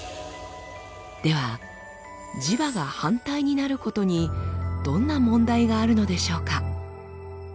では磁場が反対になることにどんな問題があるのでしょうか？